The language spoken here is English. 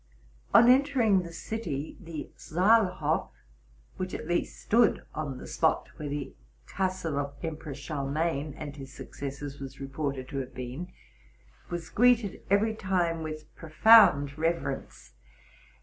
On entering the city, the Saalhof, which at least stood on the spot where the castle of Basen Charlemagne and his successors was reported to have been, was greeted every time with profound reverence.